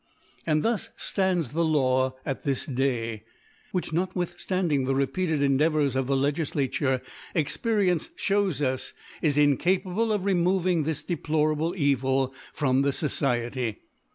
And thus ftarids the Law at this Day ; which, notwithftanding the repeated Endea vours of the LegiQature, Experience (hews us, is incapable of removing this deplorable Evil from the Sgciety.